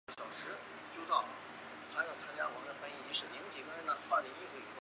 黑天竺鱼为天竺鲷科天竺鱼属的鱼类。